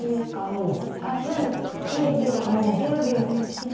「ガツン」「ビリビリ」「ビュービュー」みたいな。